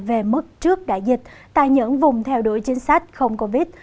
về mức trước đại dịch tại những vùng theo đuổi chính sách không covid